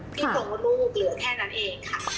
ที่บอกว่าลูกเหลือแค่นั้นเองค่ะ